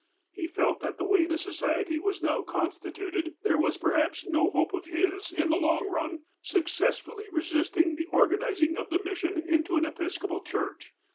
He felt that the way the Society was now constituted there was perhaps no hope of his, in the long run, suc cessfully resisting the organizing of the mission into an Episcoi^al church.